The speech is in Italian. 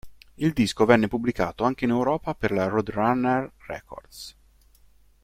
Il disco venne pubblicato anche in Europa per la Roadrunner Records.